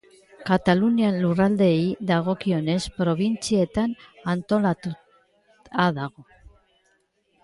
Katalunia lurraldeei dagokionez probintzietan antolatua dago.